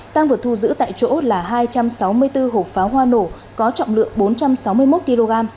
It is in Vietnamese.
tăng vật thu giữ tại chỗ là hai trăm sáu mươi bốn hộp pháo hoa nổ có trọng lượng bốn trăm sáu mươi một kg